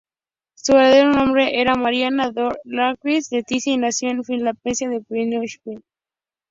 Su verdadero nombre era Marianna Dorothy Agnes Letitia McNulty, y nació en Filadelfia, Pennsylvania.